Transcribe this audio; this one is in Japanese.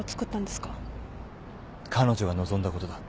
彼女が望んだことだ。